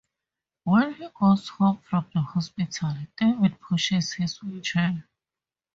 When he goes home from the hospital, David pushes his wheelchair.